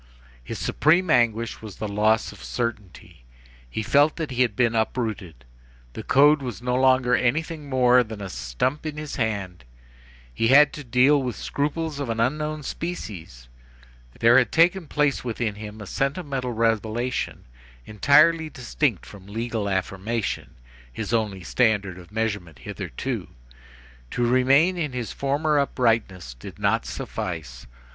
His supreme anguish was the loss of certainty. He felt that he had been uprooted. The code was no longer anything more than a stump in his hand. He had to deal with scruples of an unknown species. There had taken place within him a sentimental revelation entirely distinct from legal affirmation, his only standard of measurement hitherto. To remain in his former uprightness did not suffice.